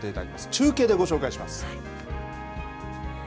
中継ご紹介します。